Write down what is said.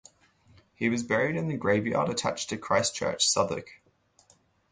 He was buried in the graveyard attached to Christ Church, Southwark.